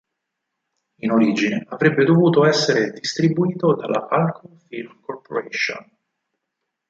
In origine, avrebbe dovuto essere distribuito dalla Alco Film Corp.